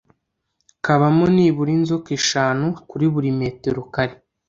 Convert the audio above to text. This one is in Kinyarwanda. kabamo nibura inzoka eshanu kuri buri metero kare